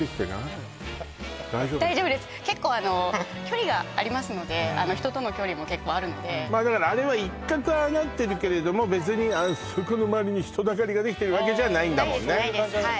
大丈夫です結構距離がありますので人との距離も結構あるのでまあだからあれは一角ああなってるけれども別にそこの周りに人だかりができてるわけじゃないんだもんねないですないです